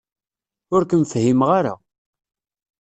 Ur kem-fhimeɣ ara.